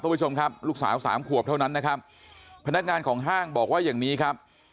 ผู้ชมครับลูกสาวสามขวบเท่านั้นนะครับพนักงานของห้างบอกว่าอย่างนี้ครับ